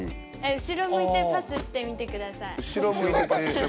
うしろ向いてパスしてください？